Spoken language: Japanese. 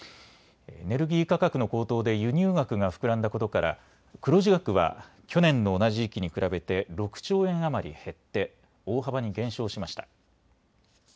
エネルギー価格の高騰で輸入額が膨らんだことから黒字額は去年の同じ時期に比べて６兆円余り減って大幅に減少しました。